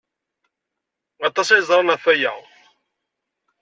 Aṭas ay ẓran ɣef waya.